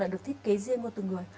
là được thiết kế riêng của từng người